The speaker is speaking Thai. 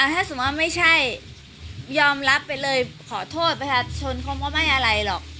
ถ้าสมมุติว่าไม่ใช่ยอมรับไปเลยขอโทษประชาชนคำว่าไม่อะไรหรอก